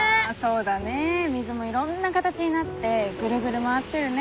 水もいろんな形になってぐるぐる回ってるね。